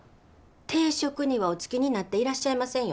定職にはお就きになっていらっしゃいませんよね。